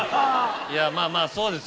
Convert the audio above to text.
いやまぁまぁそうです